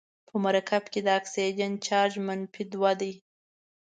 په مرکب کې د اکسیجن چارج منفي دوه دی.